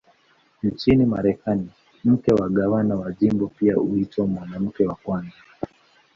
Nchini Marekani, mke wa gavana wa jimbo pia huitwa "Mwanamke wa Kwanza".